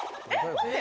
待って。